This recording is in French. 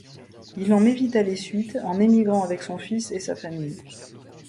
Il en évita les suites en émigrant avec son fils et sa famille.